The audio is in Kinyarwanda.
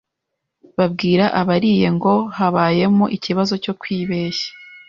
babwira abariye ngo habayemo ikibazo cyo kwibeshya,